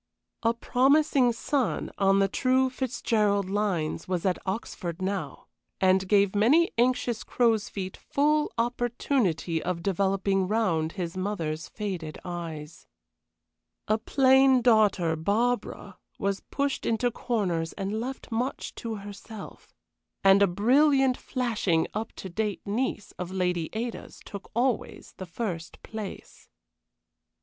A promising son, on the true Fitzgerald lines, was at Oxford now, and gave many anxious crows' feet full opportunity of developing round his mother's faded eyes. A plain daughter, Barbara, was pushed into corners and left much to herself. And a brilliant, flashing, up to date niece of Lady Ada's took always the first place.